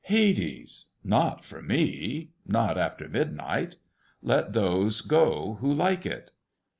Hades! Not for me; not after midnight! Let those go who like it.